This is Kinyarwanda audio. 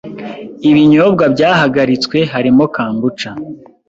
Ibinyobwa byahagaritswe harimo Kambucha